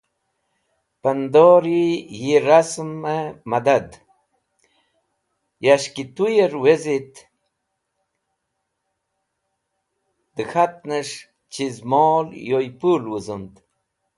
Pandori yi rasẽm medad, yẽs̃h ki toyẽr wizit dẽkhatnẽs̃h chiz mol yoy pũl wuzũmd